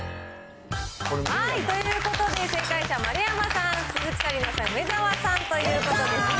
ということで、正解者、丸山さん、鈴木紗理奈さん、梅沢さんということですね。